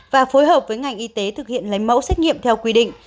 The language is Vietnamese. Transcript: và phối hợp với ngành y tế thực hiện lấy mẫu xét nghiệm theo quy định